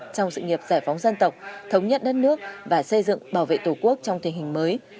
trong sự nghiệp giải phóng dân tộc thống nhất đất nước và xây dựng bảo vệ tổ quốc trong tình hình mới